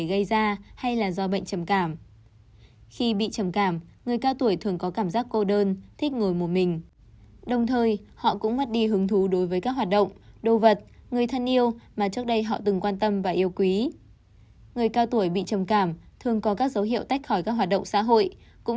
khi bị bệnh trầm cảm người cao tuổi cần tuân thủ một chương trình điều trị thích hợp giúp cải thiện các triệu chứng